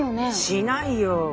しないよ。